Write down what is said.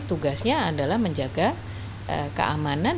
tugasnya adalah menjaga keamanan